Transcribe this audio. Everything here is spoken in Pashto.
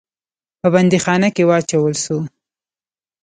په بندیخانه کې واچول سو.